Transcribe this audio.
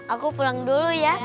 aku pulang dulu ya